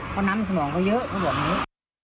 เพราะน้ำสมองเค้าเยอะก็บอกว่าเนี่ย